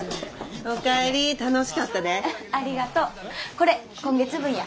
これ今月分や。